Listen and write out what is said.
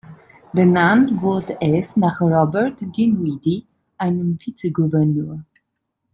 Benannt wurde es nach Robert Dinwiddie, einem Vizegouverneur.